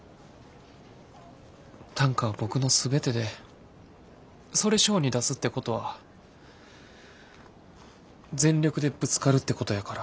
短歌は僕の全てでそれ賞に出すってことは全力でぶつかるってことやから。